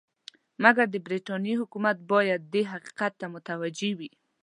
مګر د برټانیې حکومت باید دې حقیقت ته متوجه وي.